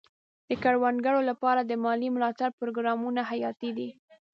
د کروندګرو لپاره د مالي ملاتړ پروګرامونه حیاتي دي.